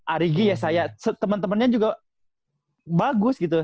aligi yesaya teman temannya juga bagus gitu